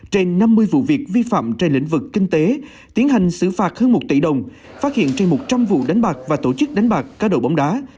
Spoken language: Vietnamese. trên năm mươi vụ việc vi phạm trên lĩnh vực kinh tế tiến hành xử phạt hơn một tỷ đồng phát hiện trên một trăm linh vụ đánh bạc và tổ chức đánh bạc cá độ bóng đá